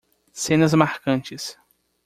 Cenas marcantes.